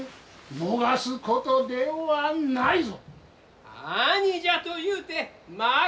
逃すことではないぞ。